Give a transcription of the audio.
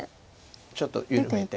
ちょっと緩めて。